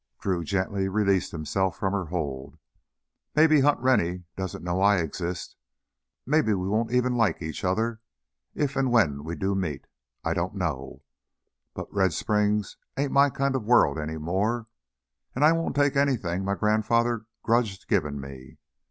Gently Drew released himself from her hold. "Maybe Hunt Rennie doesn't know I exist; maybe we won't even like each other if and when we do meet I don't know. But Red Springs ain't my kind of world any more. And I won't take anything my grandfather grudged givin' me.